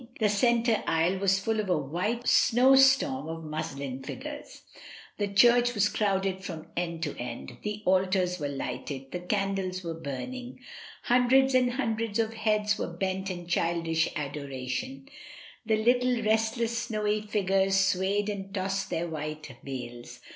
The centre aisle was full of a white snowstorm of muslin figures. The church was crowded from end to end; the altars were lighted, the candles were burning, hundreds and hundreds of heads were bent in childish adoration, the little restless snowy figures swayed and tossed their white veils.